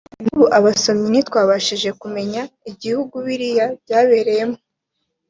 Nk’ ubu abasomyi ntitwashije kumenya igihugu biriya byabereyemo